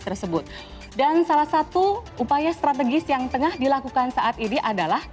tersebut dan salah satu upaya strategis yang tengah dilakukan saat ini adalah